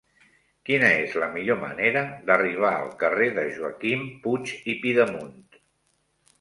Quina és la millor manera d'arribar al carrer de Joaquim Puig i Pidemunt?